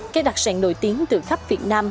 các đặc sản nổi tiếng từ khắp việt nam